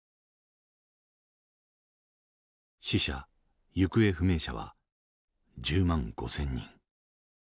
死者行方不明者は１０万５，０００人。